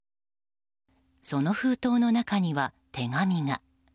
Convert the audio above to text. その封筒の中には手紙が。